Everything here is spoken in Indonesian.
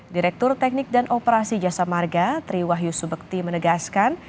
direktur teknik dan operasi jasa marga triwah yusubekti menegaskan